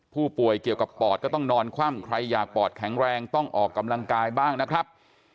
ผู้ป่วยเกี่ยวกับปอดก็ต้องนอนคว่ำใครอยากปอดแข็งแรงต้องออกกำลังกายบ้างนะครับ